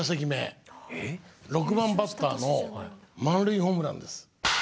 ６番バッターの満塁ホームランです。